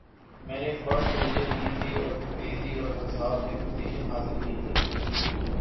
میں نے first division لی تھی اور انگریزی اور حساب میں پوزیشن حاصل کی تھی۔